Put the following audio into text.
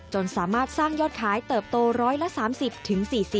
สามารถสร้างยอดขายเติบโต๑๓๐๔๐